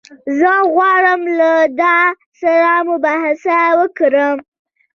زه غواړم له ده سره مباحثه وکړم.